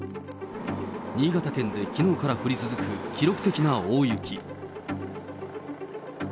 新潟県できのうから降り続く記録的な大雪。